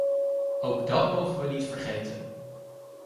Ook dat mogen we niet vergeten.